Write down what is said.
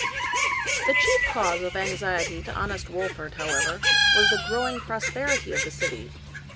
The chief cause of anxiety to honest Wolfert, however, was the growing prosperity of the city.